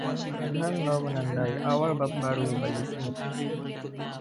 Pilihan Law menandai awal bab baru bagi Smuts.